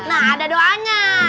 nah ada doanya